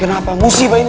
kenapa musibah ini